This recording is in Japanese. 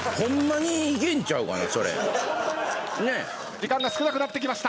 時間が少なくなってきました。